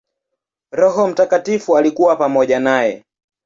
Roho Mtakatifu alikuwa pamoja naye.